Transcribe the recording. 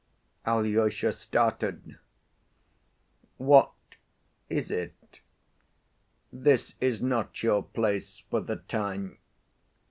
Alyosha started. "What is it? This is not your place for the time.